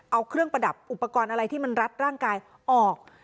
เอาเครื่องประดับอุปกรณ์อะไรที่มันรัดร่างกายออก